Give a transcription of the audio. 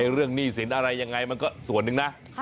หนี้สินอะไรยังไงมันก็ส่วนหนึ่งนะ